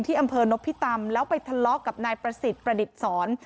อำเภอนพิตำแล้วไปทะเลาะกับนายประสิทธิ์ประดิษฐ์สอน